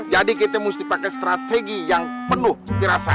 jadi kita mesti pakai strategi yang penuh dirasa